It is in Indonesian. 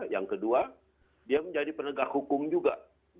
yang kedua dia menjadi penegak hukum juga